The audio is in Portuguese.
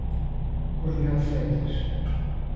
Coronel Freitas